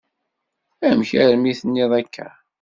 Amek armi i d-tenniḍ akka?